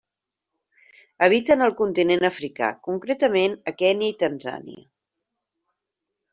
Habita en el continent africà, concretament a Kenya i Tanzània.